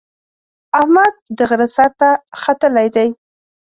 اجمد د غره سر ته ختلی دی.